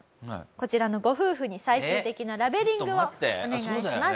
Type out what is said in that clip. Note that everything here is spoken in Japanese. こちらのご夫婦に最終的なラベリングをお願いします。